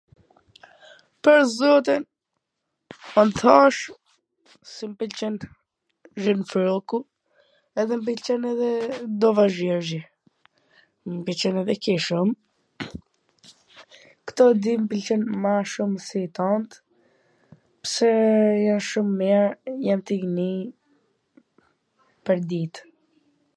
Pash zotin, fal tash se m pwlqen little rock-u, edhe m pwlqen edhe dova zherzhi, m pwlqen edhe ky shum, kto t dy m pwlqejn ma shum si tant, pse... jan shum mir, jan tu i nii pwrdit.